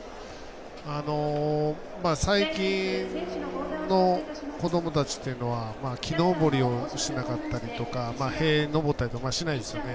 最近の子どもたちというのは木登りをしなかったりとか塀登ったりとかしないですよね。